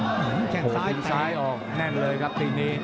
โอ้แขกงซ้ายไก่โหทิ้งซ้ายออกแน่นเลยครับตีนี้